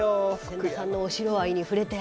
千田さんのお城愛に触れて。